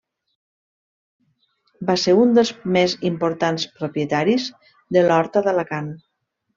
Va ser un dels més importants propietaris de l'horta d'Alacant.